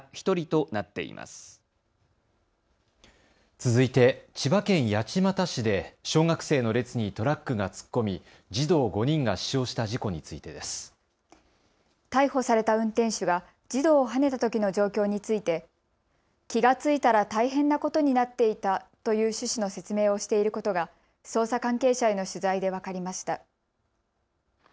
続いて千葉県八街市で小学生の列にトラックが突っ込み児童５人が死傷した事故についてです。逮捕された運転手が児童をはねたときの状況について気が付いたら大変なことになっていたという趣旨の説明をしていることが捜査関係者への取材で分かりました。